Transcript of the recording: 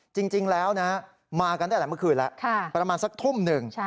จริงแล้วนะมากันตั้งแต่เมื่อคืนแล้วประมาณสักทุ่มหนึ่ง